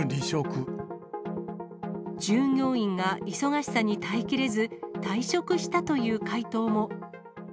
従業員が忙しさに耐えきれず、退職したという回答も。